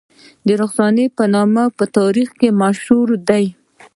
د رخسانې نوم په تاریخ کې مشهور دی